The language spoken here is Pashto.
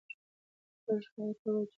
غږ هغه ته وویل چې ته یوازې نه یې.